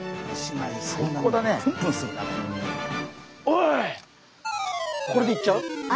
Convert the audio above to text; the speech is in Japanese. おいこれでいっちゃう？